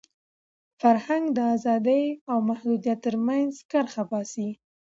فرهنګ د ازادۍ او محدودیت تر منځ کرښه باسي.